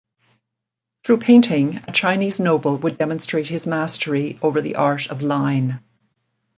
Through painting a Chinese noble would demonstrate his mastery over the art of line.